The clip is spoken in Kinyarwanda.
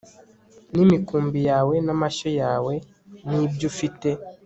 n imikumbi yawe n amashyo yawe n ibyo ufite